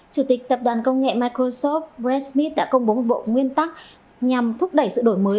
chủ tịch tập đoàn công nghệ microsoft brexit đã công bố một bộ nguyên tắc nhằm thúc đẩy sự đổi mới